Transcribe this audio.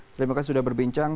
terima kasih sudah berbincang